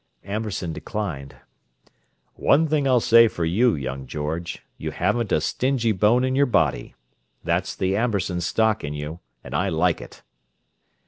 Amberson declined. "One thing I'll say for you, young George; you haven't a stingy bone in your body. That's the Amberson stock in you—and I like it!"